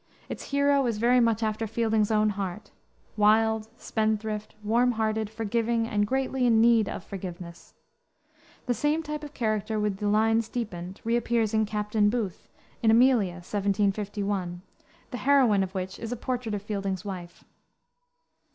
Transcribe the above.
Its hero is very much after Fielding's own heart, wild, spendthrift, warm hearted, forgiving, and greatly in need of forgiveness. The same type of character, with the lines deepened, re appears in Captain Booth, in Amelia, 1751, the heroine of which is a portrait of Fielding's wife.